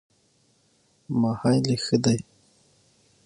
ماهی لږ ښه دی.